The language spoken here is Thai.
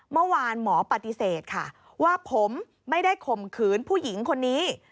เมื่อวานหมอปฏิเสธค่ะว่าผมไม่ได้ข่มขืนผู้หญิงคนนี้